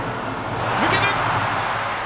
抜ける！